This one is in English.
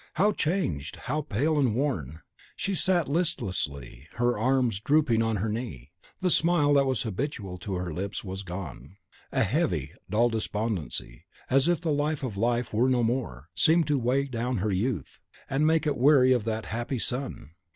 How changed! How pale and worn! She sat listlessly, her arms dropping on her knee; the smile that was habitual to her lips was gone. A heavy, dull despondency, as if the life of life were no more, seemed to weigh down her youth, and make it weary of that happy sun!